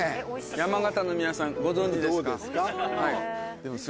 山形の皆さんご存じですか？